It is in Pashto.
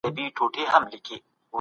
ریا د څېړنې ارزښت له منځه وړي.